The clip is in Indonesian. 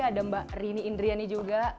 ada mbak rini indriani juga